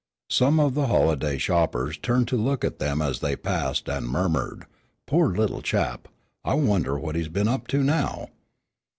Some of the holiday shoppers turned to look at them as they passed and murmured, "Poor little chap; I wonder what he's been up to now."